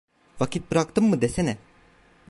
Vakit bıraktım mı desene…